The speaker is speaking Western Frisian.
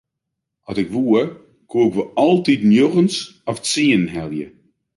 At ik woe koe ik wol altyd njoggens of tsienen helje.